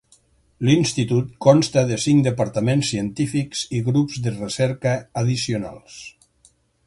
L'institut consta de cinc departaments científics i grups de recerca addicionals.